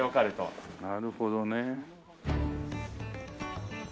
なるほどね。